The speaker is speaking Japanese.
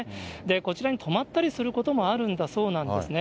こちらに泊まったりすることもあるんだそうなんですね。